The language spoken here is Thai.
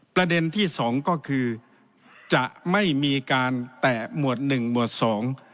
ประเด็นที่สองก็คือจะไม่มีการแตะหมวดหนึ่งหมวดสอง